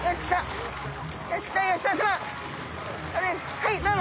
はいどうも！